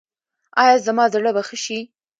ایا زما زړه به ښه شي؟